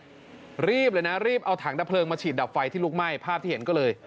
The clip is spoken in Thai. รีบเลยนะรีบเอาถังดับเพลิงมาฉีดดับไฟที่ลุกไหม้ภาพที่เห็นก็เลย